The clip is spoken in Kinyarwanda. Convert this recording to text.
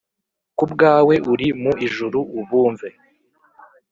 Ku bwawe uri mu ijuru ubumve